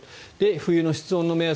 冬の室温の目安